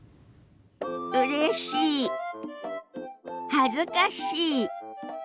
恥ずかしい。